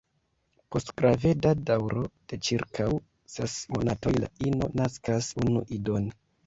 Post graveda daŭro de ĉirkaŭ ses monatoj la ino naskas unu idon.